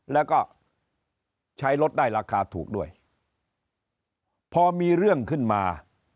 แล้วก็ใช้รถได้ราคาถูกด้วยพอมีเรื่องขึ้นมา